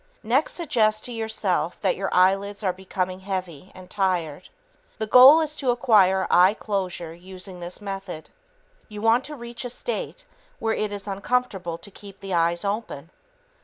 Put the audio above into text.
Next, suggest to yourself that your eyelids are becoming heavy and tired. The goal is to acquire eye closure using this method. You want to reach a state where it is uncomfortable to keep the eyes open.